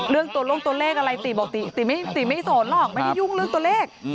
เรื่องตัวลงตัวเลขอะไรตีบอกติไม่สนหรอกไม่ได้ยุ่งเรื่องตัวเลข